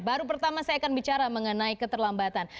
baru pertama saya akan bicara mengenai keterlambatan